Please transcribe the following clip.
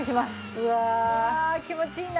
うわあ気持ちいいな。